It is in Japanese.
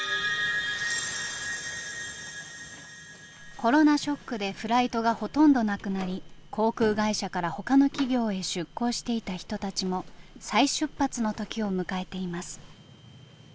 コロナショックでフライトがほとんどなくなり航空会社からほかの企業へ出向していた人たちも再出発の時を迎えています。